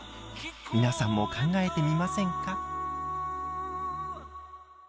皆さんも考えてみませんか？